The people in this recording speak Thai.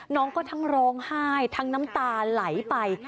น้องก็ทั้งร้องไห้ทั้งน้ำตาไหลไป